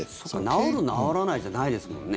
治る、治らないじゃないですもんね。